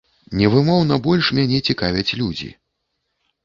Невымоўна больш мяне цікавяць людзі.